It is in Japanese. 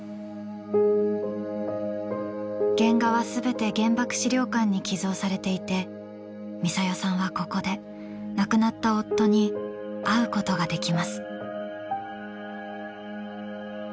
原画は全て原爆資料館に寄贈されていてミサヨさんはここで亡くなった夫に会うことができます。